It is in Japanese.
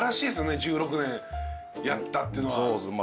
１６年やったっていうのは。